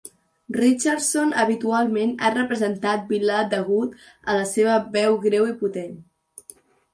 Richardson habitualment ha representat vilà degut a la seva veu greu i potent.